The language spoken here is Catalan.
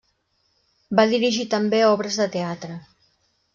Va dirigir també obres de teatre.